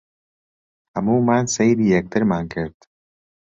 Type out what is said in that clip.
هەموومان سەیری یەکترمان کرد.